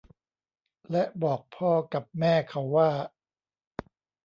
และบอกพ่อกับแม่เขาว่า